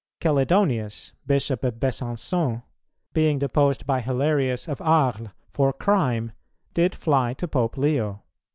Chelidonius, Bishop of Besançon, being deposed by Hilarius of Arles for crime, did fly to Pope Leo."